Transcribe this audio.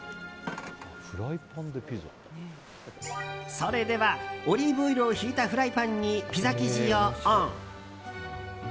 それではオリーブオイルをひいたフライパンにピザ生地をオン。